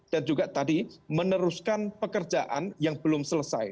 dan juga tadi meneruskan pekerjaan yang belum selesai